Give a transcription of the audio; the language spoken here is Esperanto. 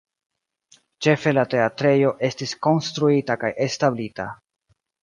Ĉefe la teatrejo estis konstruita kaj establita.